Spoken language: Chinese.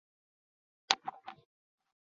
金太祖天辅七年被女真夺得。